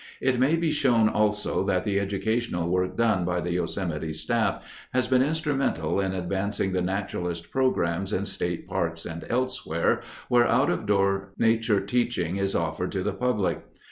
It may be shown, also, that the educational work done by the Yosemite staff has been instrumental in advancing the naturalist programs in state parks and elsewhere where out of door nature teaching is offered to the public.